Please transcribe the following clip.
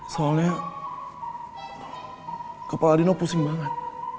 soalnya kepala dino pusing banget